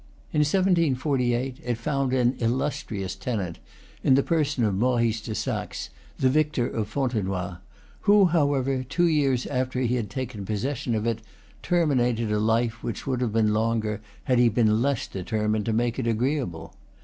In 1748 it found an illustrious tenant in the person of Maurice de Saxe, the victor of Fontenoy, who, how ever, two years after he had taken possession of it, terminated a life which would have been longer had he been less determined to make it agreeable.